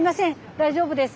大丈夫です。